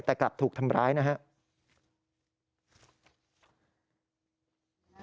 แต่กลับถูกทำร้ายนะครับ